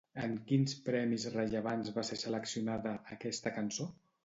En quins premis rellevants va ser seleccionada, aquesta cançó?